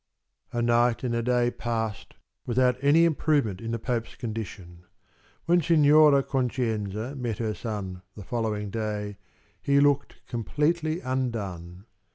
A night and a day passed without any improvement in the Pope's condition. When Signora Concenza met her son the following day, he looked completely undone.